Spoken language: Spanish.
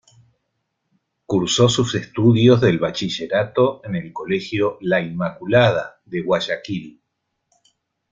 Cursó sus estudios del bachillerato en el colegio "La Inmaculada" de Guayaquil.